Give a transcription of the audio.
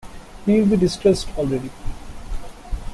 He’ll be distressed already.